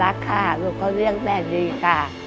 ดีใจค่ะลูกน่ารักค่ะลูกเค้าเรียกแม่ดีค่ะ